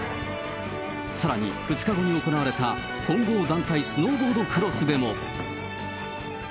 さらに、２日後に行われた混合団体スノーボードクロスでも。